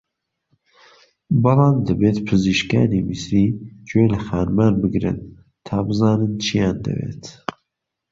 بەڵام دەبێت پزیشکانی میسری گوێ لە خانمان بگرن تا بزانن چییان دەوێت